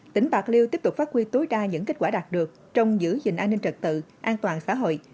tỉnh bạc liêu tiếp tục phát huy tối đa những kết quả đạt được trong giữ gìn an ninh trật tự an toàn xã hội